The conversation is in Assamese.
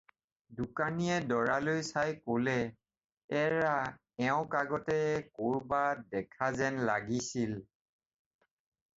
দোকানীয়ে দৰালৈ চাই ক'লে- "এৰা এওঁক আগতে ক'ৰবাত দেখা যেন লাগিছিল।"